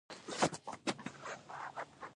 آیا حکومت د ماشوم ساتنې مرسته نه کوي؟